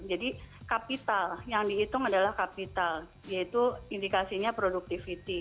jadi kapital yang dihitung adalah kapital yaitu indikasinya produktiviti